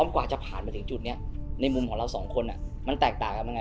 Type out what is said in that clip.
ความปลอดก็เป็นยังไง